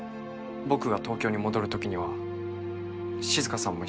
僕が東京に戻る時には静さんも一緒に。